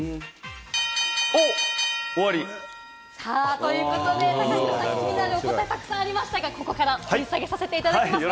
終わり？ということで気になるお答えがたくさんありましたが、ここから掘り下げさせていただきます。